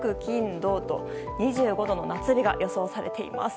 土と２５度の夏日が予想されています。